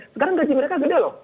sekarang gaji mereka gede loh